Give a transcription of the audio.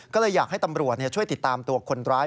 ก็เลยอยากให้ตำรวจช่วยติดตามตัวคนร้าย